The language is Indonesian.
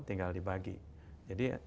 tinggal dibagi jadi